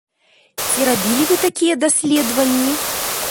Ці рабілі вы такія даследаванні?